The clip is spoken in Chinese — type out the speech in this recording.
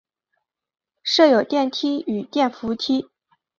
设有电梯与电扶梯。